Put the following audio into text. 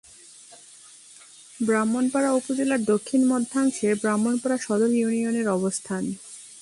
ব্রাহ্মণপাড়া উপজেলার দক্ষিণ-মধ্যাংশে ব্রাহ্মণপাড়া সদর ইউনিয়নের অবস্থান।